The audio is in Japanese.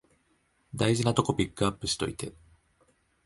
大事なとこピックアップしといて